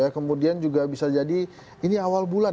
kemudian juga bisa jadi ini awal bulan